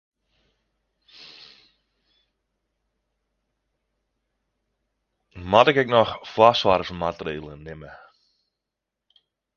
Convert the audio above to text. Moat ik ek noch foarsoarchmaatregels nimme?